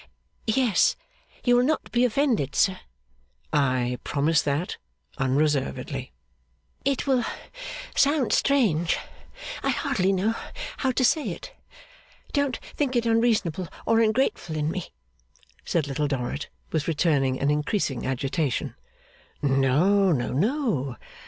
'Yes. You will not be offended, sir?' 'I promise that, unreservedly.' 'It will sound strange. I hardly know how to say it. Don't think it unreasonable or ungrateful in me,' said Little Dorrit, with returning and increasing agitation. 'No, no, no.